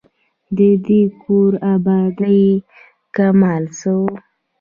د دې کور آبادۍ کمال څه وو.